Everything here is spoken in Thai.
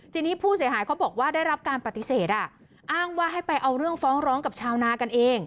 ทีนี้ผู้เสียหายเขาบอกว่าได้รับการปฏิเสธอ้างว่าให้ไปเอาเรื่องฟ้องร้องกับชาวนากันเอง